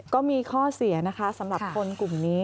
ก็มีข้อเสียนะคะสำหรับคนกลุ่มนี้